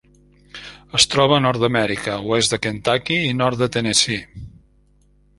Es troba a Nord-amèrica: oest de Kentucky i nord de Tennessee.